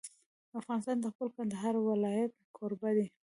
افغانستان د خپل کندهار ولایت کوربه دی.